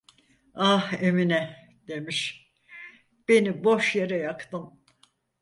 'Ah, Emine!' demiş, 'Beni boş yere yaktın.'